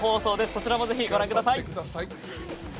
そちらもぜひご覧ください。